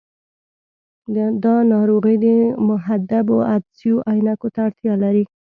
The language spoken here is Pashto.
دا ناروغي د محدبو عدسیو عینکو ته اړتیا لري.